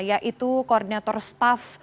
yaitu koordinator staff